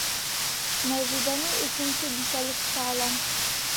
Нәжибәне өсөнсө бисәлеккә алам!